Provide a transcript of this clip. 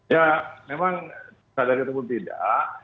ya memang sadar itu pun tidak